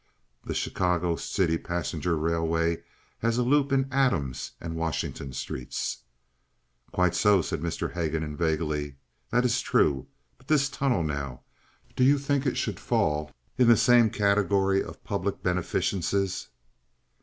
The Chicago City Passenger Railway has a loop in Adams and Washington streets." "Quite so," said Mr. Haguenin, vaguely. "That is true. But this tunnel, now—do you think that should fall in the same category of public beneficences?"